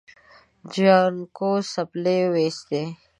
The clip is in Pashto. جانکو څپلۍ وېستې.